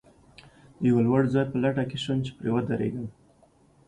د یوه لوړ ځای په لټه کې شوم، چې پرې ودرېږم.